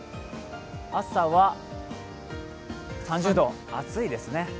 朝は３０度、暑いですね。